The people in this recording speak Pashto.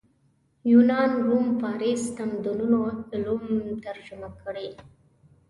یونان روم فارس تمدنونو علوم ترجمه کړل